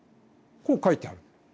こう書いてある。